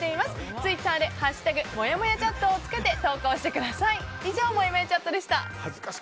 ツイッターで「＃もやもやチャット」をつけて投稿してください。